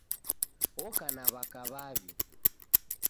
Oka na waka w'aw'i